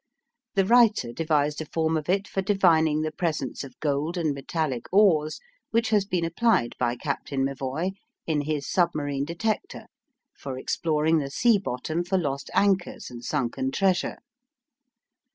The writer devised a form of it for "divining" the presence of gold and metallic ores which has been applied by Captain M'Evoy in his "submarine detector" for exploring the sea bottom for lost anchors and sunken treasure.